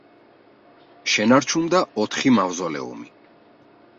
შენარჩუნდა ოთხი მავზოლეუმი.